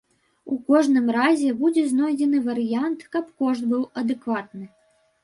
У кожным разе, будзе знойдзены варыянт, каб кошт быў адэкватны.